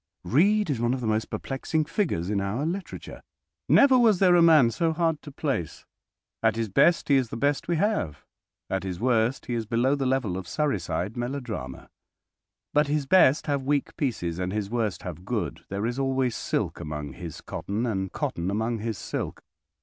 Reade is one of the most perplexing figures in our literature. Never was there a man so hard to place. At his best he is the best we have. At his worst he is below the level of Surreyside melodrama. But his best have weak pieces, and his worst have good. There is always silk among his cotton, and cotton among his silk.